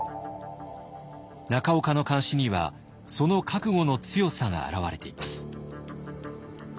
中岡の漢詩にはその覚悟の強さが表れています。